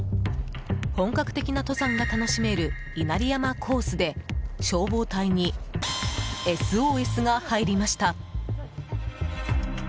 本格的な登山が楽しめる稲荷山コースで消防隊にＳＯＳが入りました。